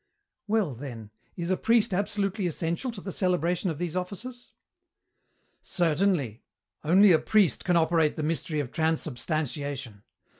"Well, then, is a priest absolutely essential to the celebration of these offices?" "Certainly. Only a priest can operate the mystery of Transubstantiation.